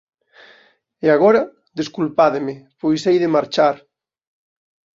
E agora, desculpádeme, pois hei de marchar.